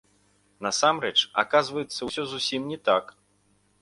Насамрэч, аказваецца, усё зусім не так.